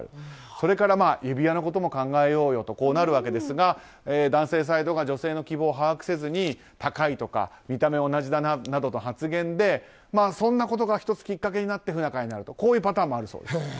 それから、指輪のことも考えようよとなるわけですが男性サイドが女性の希望を把握せずに高いとか見た目が同じだなとか言ってそんなことが１つきっかけになって不仲になるパターンもあるそうです。